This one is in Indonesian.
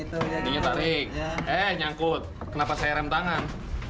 ini dorong tarik ini tarik eh nyangkut kenapa saya rem tangan